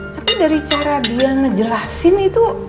tapi dari cara dia ngejelasin itu